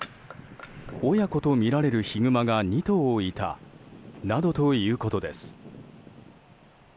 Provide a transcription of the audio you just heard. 親子とみられるヒグマが２頭いたなどということです。